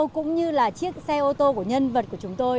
cũng như là chiếc xe ô tô của nhân vật của chúng tôi